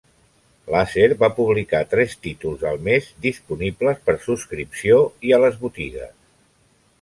Laser va publicar tres títols al mes, disponibles per subscripció i a les botigues.